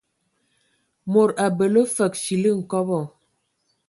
Mod abələ fəg fili nkɔbɔ.